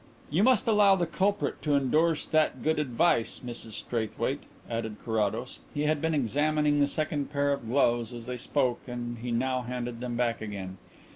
"You must allow the culprit to endorse that good advice, Mrs Straithwaite," added Carrados. He had been examining the second pair of gloves as they spoke and he now handed them back again.